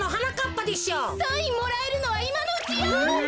・サインもらえるのはいまのうちよ！